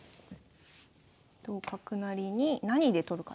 同角成に何で取るかですね。